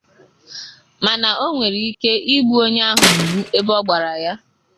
Mana onwere ike igbu onye ahụ mgbu ebe ọgbara ya.